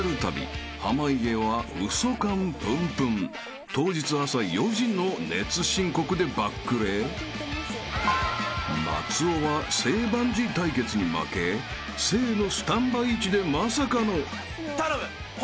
［濱家は嘘感プンプン当日朝４時の熱申告でバックれ松尾は正バンジー対決に負け正のスタンバイ位置でまさかの］